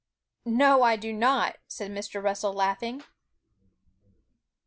'No, I do not,' said Mr. Russell, laughing.